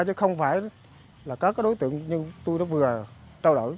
chứ không phải là các đối tượng như tôi đã vừa trao đổi